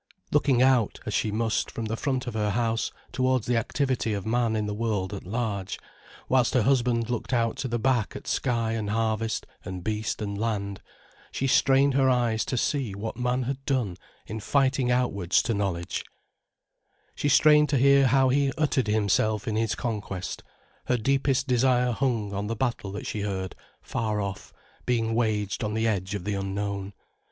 Looking out, as she must, from the front of her house towards the activity of man in the world at large, whilst her husband looked out to the back at sky and harvest and beast and land, she strained her eyes to see what man had done in fighting outwards to knowledge, she strained to hear how he uttered himself in his conquest, her deepest desire hung on the battle that she heard, far off, being waged on the edge of the unknown.